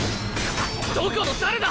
どこの誰だ